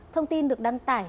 thông tin được đăng tải